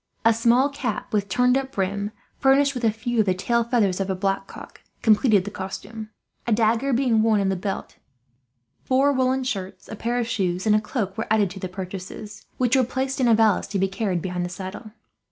A small cap with turned up brim, furnished with a few of the tail feathers of a black cock, completed the costume; a dagger being worn in the belt instead of the sword. Four woollen shirts, a pair of shoes, and a cloak were added to the purchases; which were placed in a valise, to be carried behind the saddle.